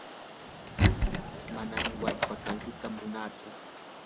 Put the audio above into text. manam wallpa kalduta munaatsu.